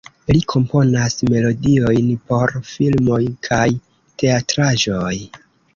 Li komponas melodiojn por filmoj kaj teatraĵoj.